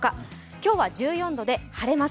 今日は１４度で晴れます。